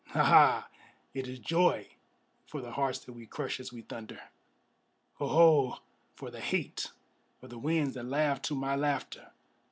Ha! Ha! it is joy for the hearts that we crush as we thunder! Ho! Ho! for the hate of the winds that laugh to my laughter!